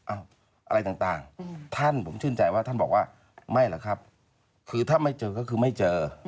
อะไรต่างท่านผมชื่นใจว่าท่านบอกว่าไม่เหรอครับคือถ้าไม่เจอก็คือไม่เจอ